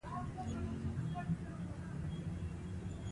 استاد د شاګرد په زړه کي د بریا او لوړتیا ډېوې بلوي.